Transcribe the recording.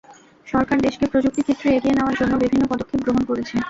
সরকার দেশকে প্রযুক্তি ক্ষেত্রে এগিয়ে নেওয়ার জন্য বিভিন্ন পদক্ষেপ গ্রহণ করেছে।